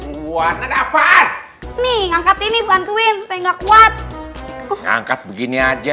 buah buahan nih angkat ini bantuin saya nggak kuat angkat begini aja